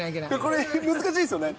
これ難しいですよね。